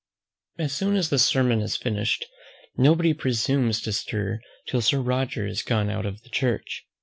As soon as the sermon is finished, no body presumes to stir till Sir Roger is gone out of the church.